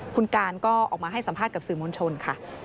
คุณการก็ออกมาให้สัมภาษณ์กับสื่อมวลชนค่ะ